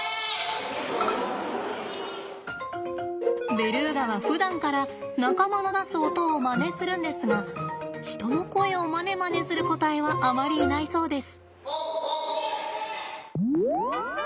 ベルーガはふだんから仲間の出す音をまねするんですが人の声をまねまねする個体はあまりいないそうです。